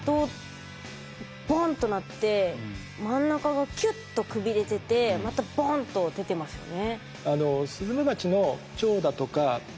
ボンッとなって真ん中がキュッとくびれててまたボンッと出てますよね。